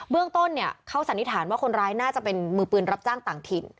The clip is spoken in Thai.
เรื่องต้นเนี่ยเขาสันนิษฐานว่าคนร้ายน่าจะเป็นมือปืนรับจ้างต่างถิ่น